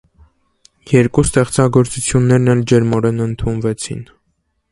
Երկու ստեղծագործություններն էլ ջերմորեն ընդունվեցին։